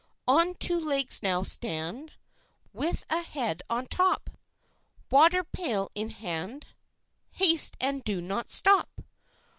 On two legs now stand With a head on top; Water pail in hand, Haste and do not stop!